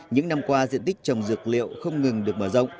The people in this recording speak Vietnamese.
những năm qua diện tích trồng dược liệu không ngừng được mở rộng